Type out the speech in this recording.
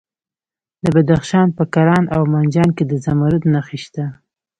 د بدخشان په کران او منجان کې د زمرد نښې شته.